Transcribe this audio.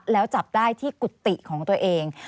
แล้วจับได้ที่กุฏิของตัวเอง